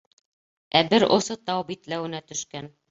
Ә бер осо тау битләүенә төшкән.